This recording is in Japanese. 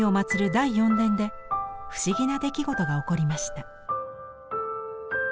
第四殿で不思議な出来事が起こりました。